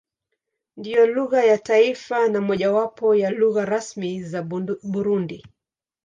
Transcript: Ndiyo lugha ya taifa na mojawapo ya lugha rasmi za Burundi.